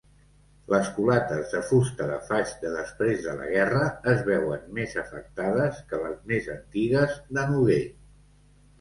Les culates de fusta de faig de després de la guerra es veuen més afectades que les més antigues de noguer.